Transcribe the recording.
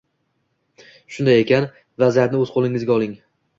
Shunday ekan vaziyatni o‘z qo‘lingizga oling